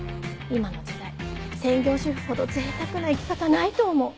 今の時代専業主婦ほどぜいたくな生き方ないと思う。